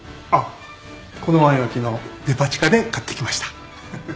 あっこのワインは昨日デパ地下で買ってきました。